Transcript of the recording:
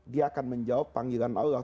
dia akan menjawab panggilan allah